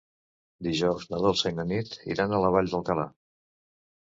Dijous na Dolça i na Nit iran a la Vall d'Alcalà.